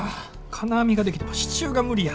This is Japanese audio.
金網ができても支柱が無理や。